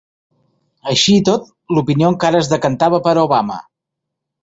Així i tot l'opinió encara es decantava per Obama.